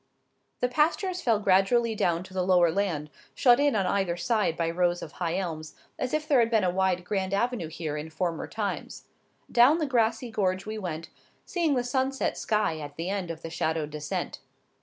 The pastures fell gradually down to the lower land, shut in on either side by rows of high elms, as if there had been a wide grand avenue here in former times. Down the grassy gorge we went, seeing the sunset sky at the end of the shadowed descent.